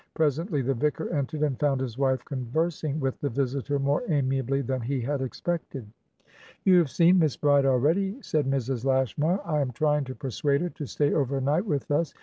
Presently the vicar entered, and found his wife conversing with the visitor more amiably than he had expected. "You have seen Miss Bride already," said Mrs. Lashmar. "I am trying to persuade her to stay over night with us.